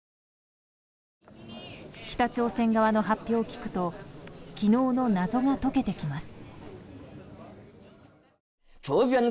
北朝鮮側の発表を聞くと昨日の謎が解けてきます。